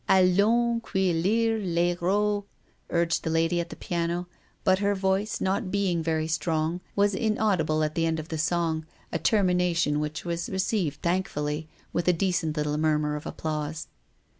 " Allons cueillir les ro n urged the lady at the piano, but her voice, not being very strong, was inaudible at the end, which was received thankfully, with a decent little murmur of applause.